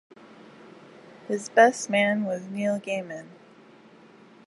His best man was Neil Gaiman.